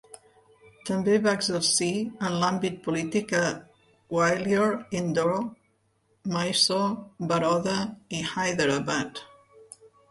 També va exercir en l'àmbit polític a Gwalior, Indore, Mysore, Baroda i Hyderabad.